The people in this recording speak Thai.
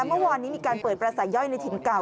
เมื่อวานนี้มีการเปิดประสัยย่อยในถิ่นเก่า